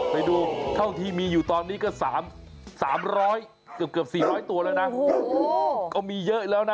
ไปดูเท่าที่มีอยู่ตอนนี้ก็๓๐๐๔๐๐ตัวแล้วนะ